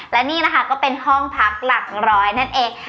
และนี่นะคะก็เป็นห้องพักหลักร้อยนั่นเอง